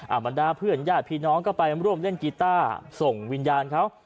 บรรดาเพื่อนญาติพี่น้องก็ไปร่วมเล่นกีต้าส่งวิญญาณเขา